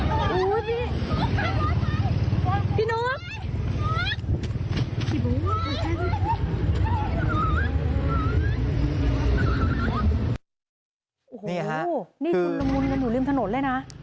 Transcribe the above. โอ้โหนี่ชุนละมุนกันอยู่ริมถนนเลยนะ